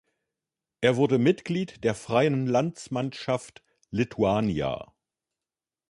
Er wurde Mitglied der freien Landsmannschaft Littuania.